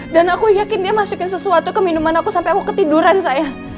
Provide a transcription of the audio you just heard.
dan aku yakin dia masukin sesuatu ke minuman aku sampai aku ketiduran sayang